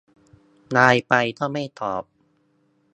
ไลน์ไปก็ไม่ตอบ